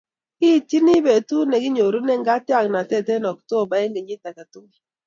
Kiityini betut ne kikinyoru katyaknatet eng' oktoba eng' kenyit age tugul.